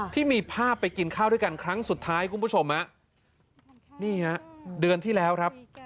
ที่มีภาพไปกินข้าวด้วยกันครั้งสุดท้ายคุณผู้ชมฮะนี่ฮะเดือนที่แล้วครับ